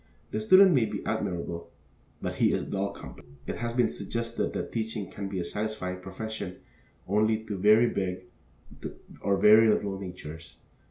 The student may be admirable, but he is dull company. It has been suggested that teaching can be a satisfying profession only to very big or very little natures.